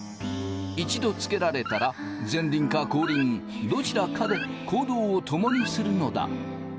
一度つけられたら前輪か後輪どちらかで行動を共にするのだ。